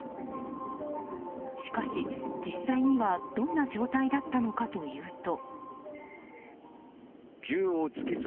しかし、実際にはどんな状態だったのかというと。